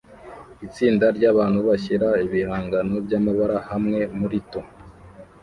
Itsinda ryabantu bashyira ibihangano byamabara hamwe murito